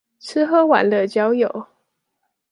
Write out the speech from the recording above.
吃喝玩樂交友